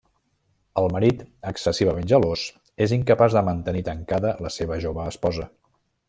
El marit excessivament gelós és incapaç de mantenir tancada la seva jove esposa.